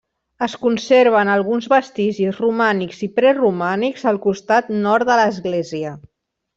Es conserven alguns vestigis romànics i preromànics al costat nord de l'església.